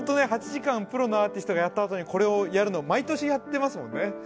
８時間プロのアーティストがやったあとにこれをやるの、毎年やっていますもんね。